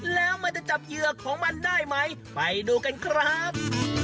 แล้วมันจะจับเหยื่อของมันได้ไหมไปดูกันครับ